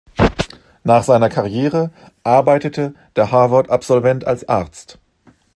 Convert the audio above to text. Nach seiner Karriere arbeitete der Harvard-Absolvent als Arzt.